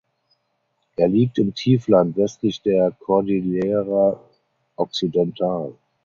Er liegt im Tiefland westlich der Cordillera Occidental.